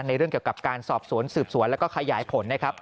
เรื่องเกี่ยวกับการสอบสวนสืบสวนแล้วก็ขยายผลนะครับ